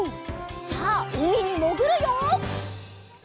さあうみにもぐるよ！